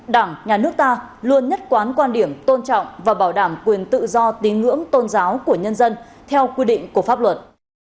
đảng nhà nước ta luôn nhất quán quan điểm tôn trọng và bảo đảm quyền tự do tín ngưỡng tôn giáo của nhân dân theo quy định của pháp luật